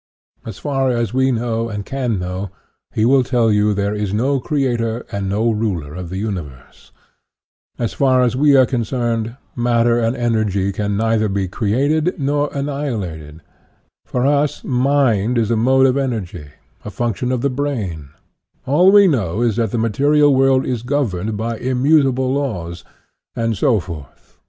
As far as we know and can know, he will tell you there is no Creator and no Ruler of the universe; as far as we are concerned, matter and energy can neither be created nor annihilated; for us, mind is a mode of energy, a function of the brain; all we know is that the material world is gov erned by immutable laws, and so forth.